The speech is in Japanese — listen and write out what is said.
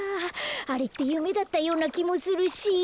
あれってゆめだったようなきもするし。